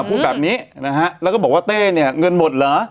พูดแบบนี้นะฮะแล้วก็บอกว่าเต้เนี่ยเงินหมดเหรอ